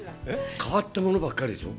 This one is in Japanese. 変わったものばかりでしょ？